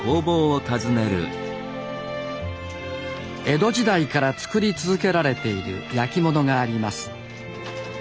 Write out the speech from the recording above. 江戸時代から作り続けられている焼き物があります。